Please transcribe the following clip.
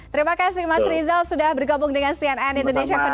terima kasih mas rizal sudah bergabung dengan cnn indonesia connecte